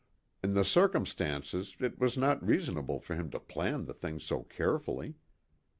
In the circumstances it was not reasonable for him to plan the thing so carefully.